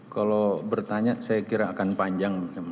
kalau bertanya saya kira akan panjang